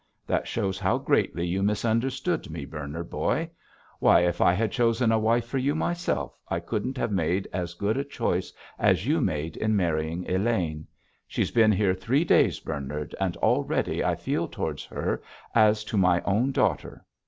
That shows how greatly you misunderstood me, Bernard boy. Why, if I had chosen a wife for you myself, I couldn't have made as good a choice as you made in marrying Elaine. She's been here three days, Bernard, and already I feel towards her as to my own daughter.